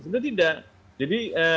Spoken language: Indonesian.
atau tidak jadi